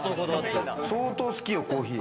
相当好よコーヒー。